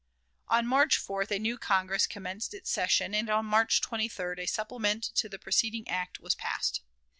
On March 4th a new Congress commenced its session, and on March 23d a supplement to the preceding act was passed.